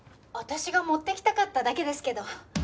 私が持ってきたかっただけですけど。